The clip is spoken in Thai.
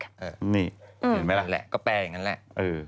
เห็นไหมล่ะแหละก็แปลอย่างนั้นแหละ